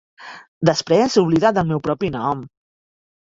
Després, oblida't del meu propi nom.